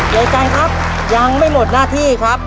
ยายไก่ครับยังไม่หมดหน้าที่ครับ